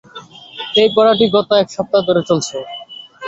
এই পড়াটি গত এক সপ্তাহ ধরে চলছে।